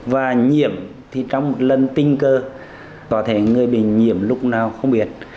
và nhiễm thì trong một lần tình cơ có thể người bị nhiễm lúc nào không biết